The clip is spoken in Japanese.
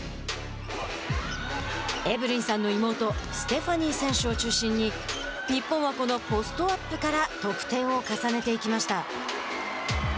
エブリンさんの妹ステファニー選手を中心に日本はこのポストアップから得点を重ねていきました。